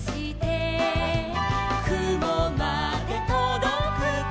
「くもまでとどくか」